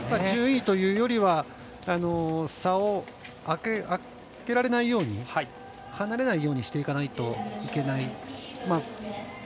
順位というよりは差を開けられないように離れないようにしていかないといけない。